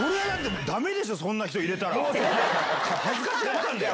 恥ずかしがってたんだよ？